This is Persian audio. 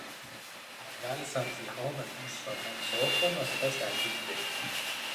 اول سبزیها و گوشت را کمی سرخ کن و سپس در دیگ بریز.